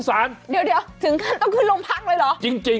อ้าวเดี๋ยวถึงต้องขึ้นโรงพาร์คเลยหรอจริง